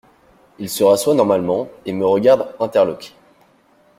Il se rassoit normalement et me regarde interloqué.